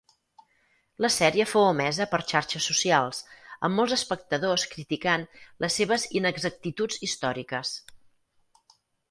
La sèrie fou emesa per xarxes socials, amb molts espectadors criticant les seves inexactituds històriques.